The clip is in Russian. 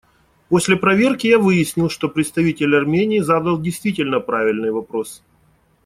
После проверки я выяснил, что представитель Армении задал действительно правильный вопрос.